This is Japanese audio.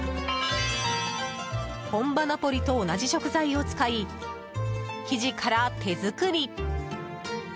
本場ナポリと同じ食材を使い生地から手作り。